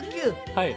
はい。